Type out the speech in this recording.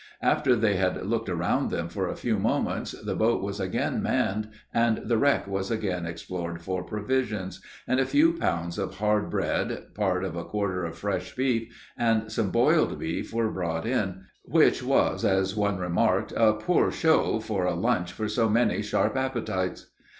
After they had looked around them for a few moments, the boat was again manned and the wreck was again explored for provisions, and a few pounds of hard bread, part of a quarter of fresh beef and some boiled beef were brought in, which was as one remarked, a "poor show" for a lunch for so many sharp appetites.